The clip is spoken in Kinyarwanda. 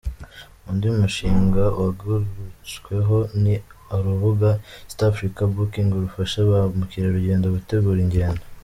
Undi mushinga wagarutsweho ni urubuga “East African Booking” rufasha ba mukerugendo gutegura ingendo.